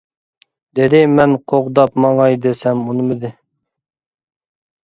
دېدى، مەن قوغداپ ماڭاي دېسەم ئۇنىمىدى.